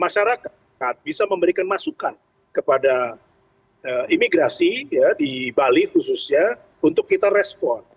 masyarakat bisa memberikan masukan kepada imigrasi di bali khususnya untuk kita respon